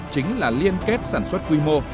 chính là liên kết sản xuất quy mô